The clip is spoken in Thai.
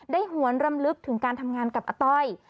หวนรำลึกถึงการทำงานกับอาต้อย